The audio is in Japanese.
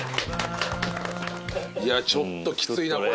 いやちょっときついなこれ。